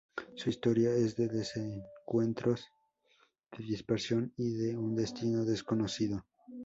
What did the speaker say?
Su historia es de desencuentros, de dispersión, y de un destino desconocido.